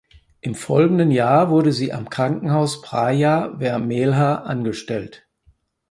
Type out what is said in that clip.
Im folgenden Jahr wurde sie am Krankenhaus Praia Vermelha angestellt.